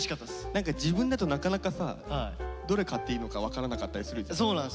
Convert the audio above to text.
何か自分だとなかなかさどれ買っていいのか分からなかったりするじゃん。